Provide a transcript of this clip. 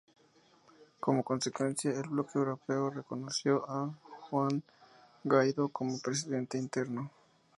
Como consecuencia, el bloque europeo reconoció a Juan Guaidó como presidente interino.